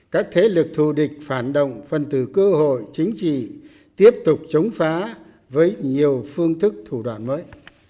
các thế lực thù địch phản động phân tử cơ hội chính trị tiếp tục chống phá với nhiều phương thức thủ đoạn mới